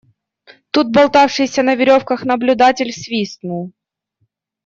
Тут болтавшийся на веревках наблюдатель свистнул.